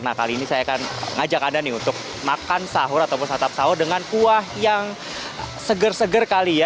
nah kali ini saya akan ngajak anda nih untuk makan sahur ataupun santap sahur dengan kuah yang seger seger kali ya